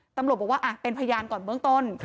ตำรวจบอกว่าเป็นพยานก่อนเบื้องต้น